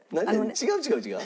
違う違う違う。